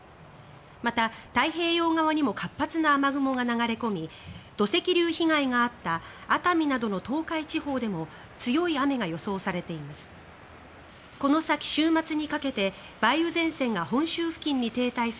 また、太平洋側にも活発な雨雲が流れ込み土石流被害があった熱海などの東海地方でも強い雨が予想されています。